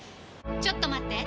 ちょっと待って！